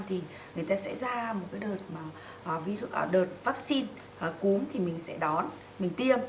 thì người ta sẽ ra một cái đợt vaccine cúm thì mình sẽ đón mình tiêm